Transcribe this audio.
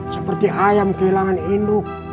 seperti ayam kehilangan induk